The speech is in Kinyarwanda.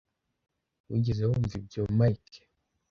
wigeze wumva ibyo, mike